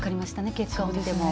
結果を見ても。